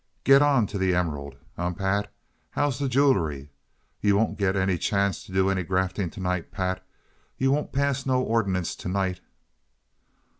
Get on to the emerald. Eh, Pat, how's the jewelry? You won't get any chance to do any grafting to night, Pat. You won't pass no ordinance to night."